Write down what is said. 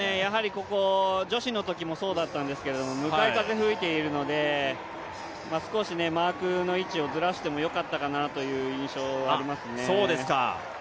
ここ、女子のときもそうだったんですけど、向かい風吹いていますので少しマークの位置をずらしてもよかったかなという印象がありますね。